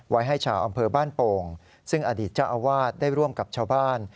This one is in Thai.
ให้ชาวอำเภอบ้านโป่งซึ่งอดีตเจ้าอาวาสได้ร่วมกับชาวบ้าน